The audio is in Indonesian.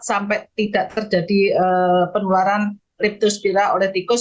sampai tidak terjadi penularan leptospira oleh tikus